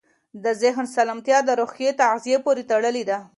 د ذهن سالمتیا د روحي تغذیې پورې تړلې ده.